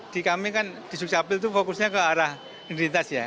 di kami kan di sukcapil itu fokusnya ke arah identitas ya